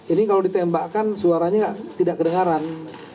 ini kalau ditembakkan suaranya tidak kedengaran